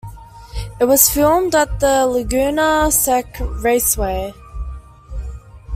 It was filmed at Laguna Seca Raceway.